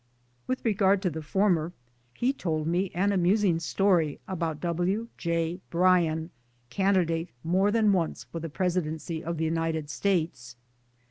With regard to the former he told me an amusing story about ,W!. J. Bryan, candidate more than once for the Presidency of the United States.